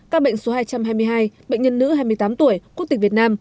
các bệnh số hai trăm hai mươi hai bệnh nhân nữ hai mươi tám tuổi quốc tịch việt nam